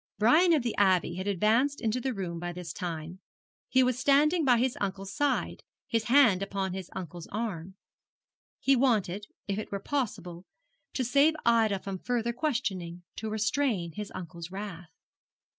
Brian of the Abbey had advanced into the room by this time. He was standing by his uncle's side, his hand upon his uncle's arm. He wanted, if it were possible, to save Ida from further questioning, to restrain his uncle's wrath.